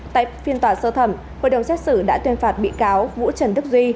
tại phiên tòa sơ thẩm hội đồng xét xử đã tuyên phạt bị cáo vũ trần đức duy